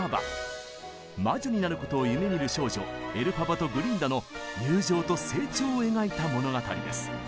魔女になることを夢みる少女エルファバとグリンダの友情と成長を描いた物語です。